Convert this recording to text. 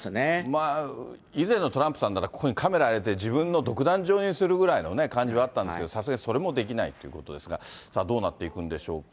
まあ、以前のトランプさんなら、ここにカメラ入れて、自分の独壇場にするぐらいのね、感じはあったんですけど、さすがにそれもできないということですが、さあ、どうなっていくんでしょうか。